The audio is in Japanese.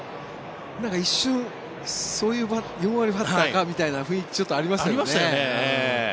一瞬、そういう４割バッターかみたいな雰囲気ちょっとありましたよね。